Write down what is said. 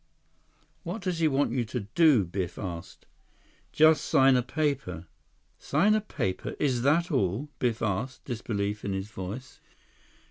"What does he want you to do?" Biff asked. "Just sign a paper." "Sign a paper? Is that all?" Biff asked, disbelief in his voice.